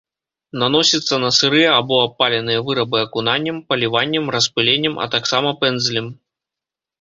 Наносіцца на сырыя або абпаленыя вырабы акунаннем, паліваннем, распыленнем, а таксама пэндзлем.